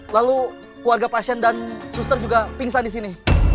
lalu keluarga pasien dan suster juga pingsan disini